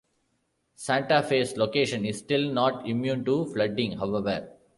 Santa Fe's location is still not immune to flooding, however.